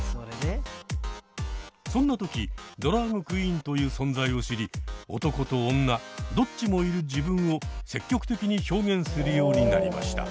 そんな時ドラァグクイーンという存在を知り男と女どっちもいる自分を積極的に表現するようになりました。